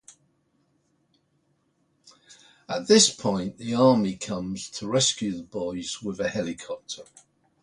At this point the Army comes to rescue the boys with a helicopter.